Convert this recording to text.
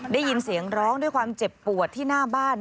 ได้ยินเสียงร้องด้วยความเจ็บปวดที่หน้าบ้าน